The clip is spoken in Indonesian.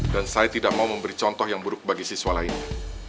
dan saya tidak mau memberi contoh yang buruk bagi siswa lainnya